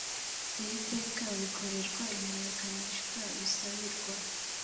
iri teka bikorerwa imenyekanishwa bisabirwa